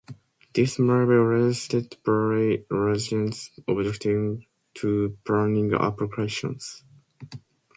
This may be resisted by residents objecting to planning applications.